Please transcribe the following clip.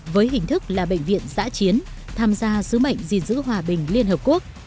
với hình thức là bệnh viện giã chiến tham gia sứ mệnh gìn giữ hòa bình liên hợp quốc